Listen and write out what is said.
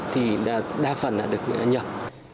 thì đa phần là được nhập